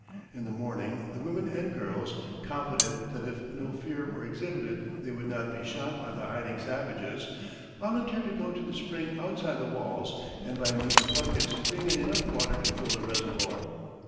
In the morning the women and girls, confident that if no fear were exhibited they would not be shot by the hiding savages, volunteered to go to the spring outside the walls, and by means of buckets bring in enough water to fill the reservoir.